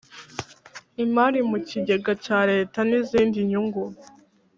imari mu kigega cya Leta n izindi nyungu